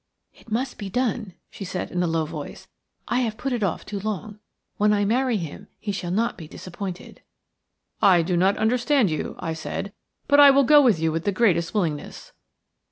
"It must be done," she said, in a low voice. "I have put it off too long. When I marry him he shall not be disappointed." "I do not understand you," I said, "but I will go with you with the greatest willingness."